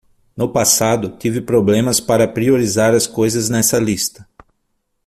No passado, tive problemas para priorizar as coisas nessa lista.